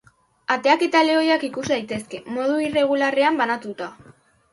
Ateak eta leihoak ikus daitezke, modu irregularrean banatuta.